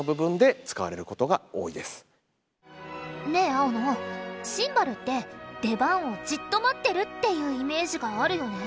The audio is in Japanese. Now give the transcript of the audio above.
青野シンバルって出番をじっと待ってるっていうイメージがあるよね。